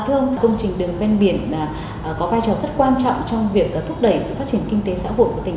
thưa ông công trình đường ven biển có vai trò rất quan trọng trong việc thúc đẩy sự phát triển kinh tế xã hội của tỉnh